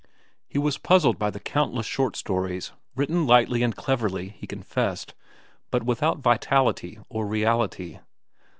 He was puzzled by countless short stories, written lightly and cleverly he confessed, but without vitality or reality.